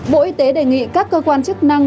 bộ y tế đề nghị các cơ quan chức năng